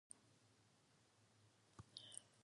He found the witch feeding the birds.